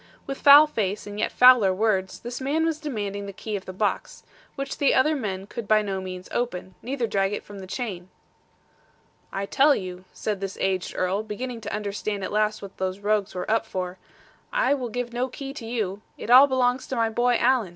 With foul face and yet fouler words, this man was demanding the key of the box, which the other men could by no means open, neither drag it from the chain. 'I tell you,' said this aged Earl, beginning to understand at last what these rogues were up for; 'I will give no key to you. It all belongs to my boy, Alan.